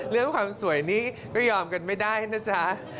เรื่องความสวยนี้ก็ยอมกันไม่ได้นะจ๊ะ